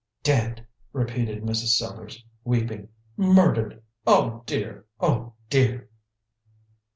"Dead!" repeated Mrs. Sellars, weeping. "Murdered! Oh, dear! oh, dear!"